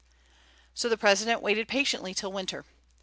So the President waited patiently till winter.